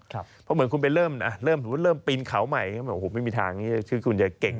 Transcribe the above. เพราะเหมือนคุณไปเริ่มเริ่มปีนเขาใหม่ไม่มีทางคุณจะเก่ง